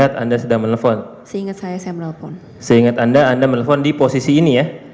anda melepon di posisi ini ya